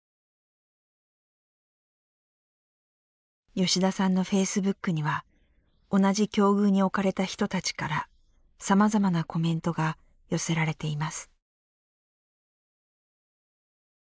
吉田さんのフェイスブックには同じ境遇に置かれた人たちからさまざまなコメントが寄せられています。